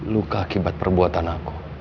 luka akibat perbuatan aku